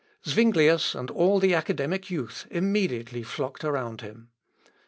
Zuinglius and all the academic youth immediately flocked around him.